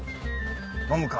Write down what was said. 飲むか？